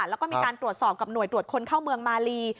แล้วก็มีการตรวจสอบกับหน่วยตรวจคนเข้าเมืองมาลี